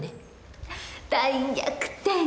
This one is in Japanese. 大逆転。